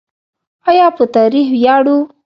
آیا په تاریخ ویاړو؟